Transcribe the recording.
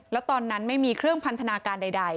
แล้วตอนนั้นไม่มีเครื่องพันธนาการใด